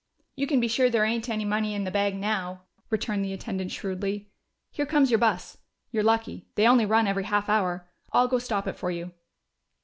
"You can be sure there ain't any money in the bag now," returned the attendant shrewdly. "Here comes your bus. You're lucky: they only run every half hour.... I'll go stop it for you."